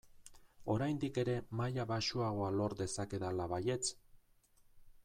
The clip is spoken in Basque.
Oraindik ere maila baxuagoa lor dezakedala baietz!